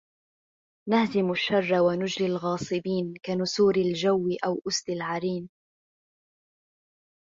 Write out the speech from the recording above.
نهزم الشرَّ ونجلي الغاصبين كنسورٍ الجوِّ أو أُسْد العرين